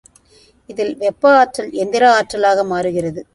இதில் வெப்ப ஆற்றல் எந்திர ஆற்றலாக மாறுகிறது.